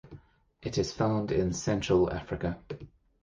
It is found in Central Africa.